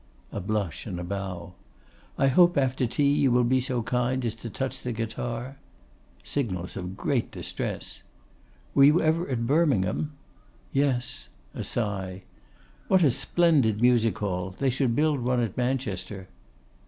A blush and a bow. 'I hope after tea you will be so kind as to touch the guitar.' Signals of great distress. 'Were you ever at Birmingham?' 'Yes:' a sigh. 'What a splendid music hall! They should build one at Manchester.